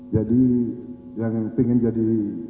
jadi jangan ingin jadi